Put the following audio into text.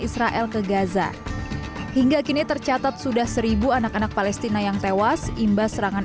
israel ke gaza hingga kini tercatat sudah seribu anak anak palestina yang tewas imbas serangan